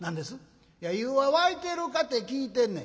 「いや湯は沸いてるかて聞いてんねん」。